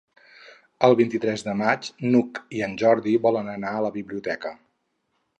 El vint-i-tres de maig n'Hug i en Jordi volen anar a la biblioteca.